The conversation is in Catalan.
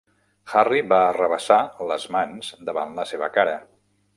Harry va arrabassar les mans davant la seva cara.